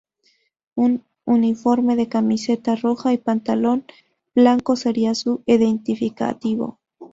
Un uniforme de camiseta roja y pantalón blanco sería su identificativo.